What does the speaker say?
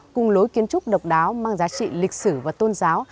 cùng lối kiến trúc độc đáo mang giá trị lịch sử và tôn giáo